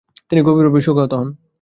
তিনি গভীরভাবে শোকাহত হন।